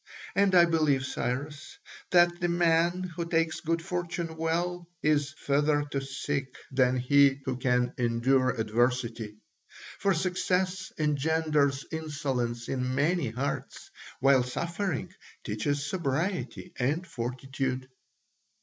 And I believe, Cyrus, that the man who takes good fortune well is further to seek than he who can endure adversity; for success engenders insolence in many hearts, while suffering teaches sobriety and fortitude."